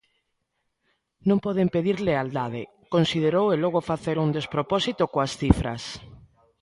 "Non poden pedir lealdade", considerou e logo facer un "despropósito" coas cifras.